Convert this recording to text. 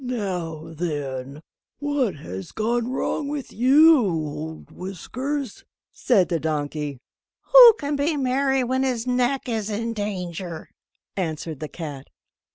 "Now then, what has gone wrong with you old Whiskers?" said the donkey. "Who can be merry when his neck is in danger?" answered the cat.